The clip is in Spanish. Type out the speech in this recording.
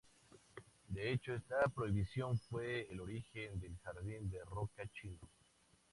De hecho, esta prohibición fue el origen del jardín de roca chino.